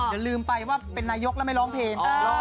อย่าลืมไปว่าเป็นนายกแล้วไม่ร้องเพลง